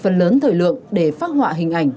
phần lớn thời lượng để phát họa hình ảnh